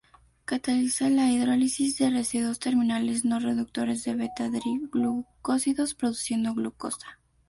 Cataliza la hidrólisis de residuos terminales no reductores en beta-D-glucósidos, produciendo glucosa.